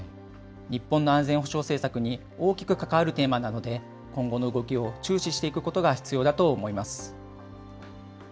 日本の安全保障政策に大きく関わるテーマなので、今後の動きを注視していくことが必要だと思います。